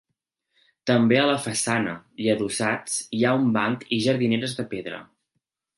També a la façana, i adossats hi ha un banc i jardineres de pedra.